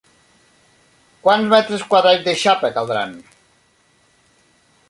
Quants metres quadrats de xapa caldran?